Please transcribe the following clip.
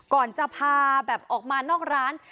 ก่อนจะพาแบบออกมานอกร้าน